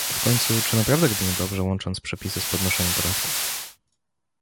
W końcu czy naprawdę robimy dobrze łącząc przepisy z podnoszeniem podatków?